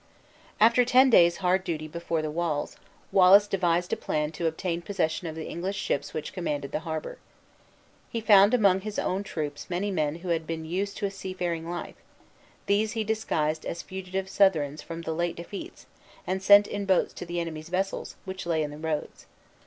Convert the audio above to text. After ten days hard duty before the walls, Wallace devised a plan to obtain possession of the English ships which commanded the harbor. He found among his own troops many men who had been used to a seafaring life; these he disguised as fugitive Southrons from the late defeats, and sent in boats to the enemy's vessels which lay in the roads.